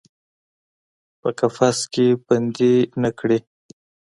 په قفس کې بندۍ نه کړي